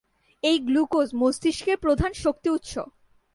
এই গ্লুকোজ মস্তিষ্কের প্রধান শক্তি উৎস।